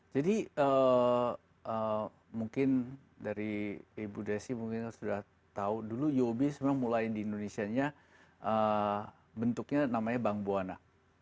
jadi mungkin dari ibu desi mungkin sudah tahu dulu uob sebenarnya mulai di indonesia bentuknya namanya bang buana